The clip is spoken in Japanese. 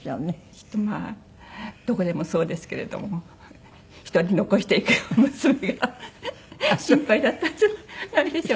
きっとまあどこでもそうですけれども１人残していく娘が心配だったんじゃないでしょうかね。